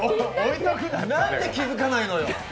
なんで気づかないのよ。